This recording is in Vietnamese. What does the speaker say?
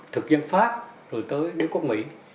thực dân pháp rồi tới đế quốc mỹ